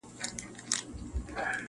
سره غرمه وه لار اوږده بټي بیابان وو-